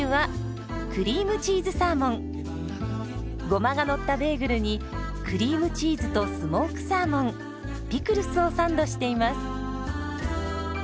ゴマがのったベーグルにクリームチーズとスモークサーモンピクルスをサンドしています。